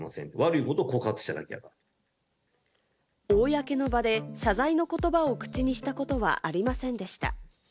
公の場で謝罪の言葉を口にしたことはありませんでした。